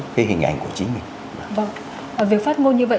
cái hình ảnh của chính mình vâng việc phát ngôn như vậy